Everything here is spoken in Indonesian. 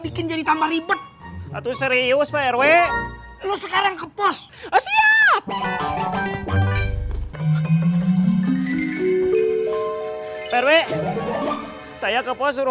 bikin jadi tambah ribet atau serius perwe lu sekarang ke pos siap perwe saya ke pos suruh